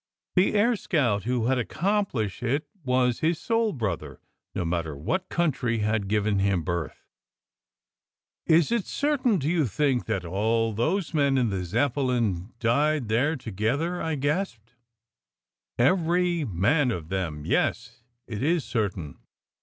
The air scout who had accomplished it was his soul brother no matter what country had given him birth. "Is it certain, do you think, that all those men in the Zeppelin died there together?" I gasped. "Every man of them, yes, it is certain."